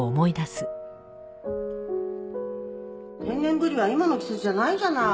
天然ブリは今の季節じゃないじゃない！